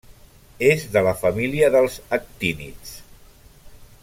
És de la família dels Actínids.